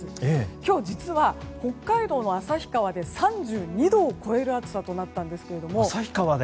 今日、実は、北海道の旭川で３２度を超える暑さとなったんですけれども。